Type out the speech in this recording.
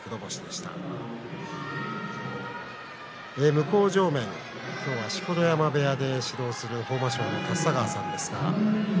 向正面、今日は錣山部屋で指導する豊真将の立田川さんです。